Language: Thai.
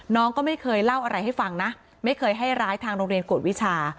น้องก็ไม่เคยเล่าอะไรให้ฟังนะไม่เคยให้ร้ายทางโรงเรียนกวดวิชา